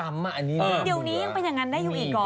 เดี๋ยวนี้ยังเป็นอย่างนั้นได้อยู่อีกหรอ